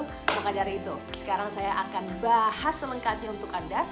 maka dari itu sekarang saya akan bahas selengkapnya untuk anda